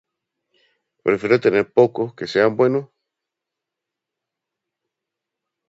Prefiere tener poco, que sean buenos